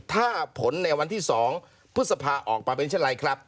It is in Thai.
ถ้าผลในวันที่๒พฤษภาออกมาเป็นเช่นไรครับ